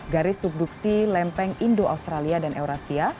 garis subduksi lempeng indo australia dan eurasia